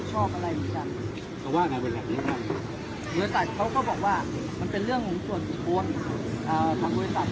ตอนนี้กำหนังไปคุยของผู้สาวว่ามีคนละตบ